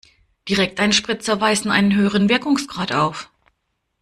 Direkteinspritzer weisen einen höheren Wirkungsgrad auf.